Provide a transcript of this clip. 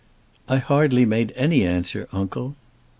"I hardly made any answer, uncle."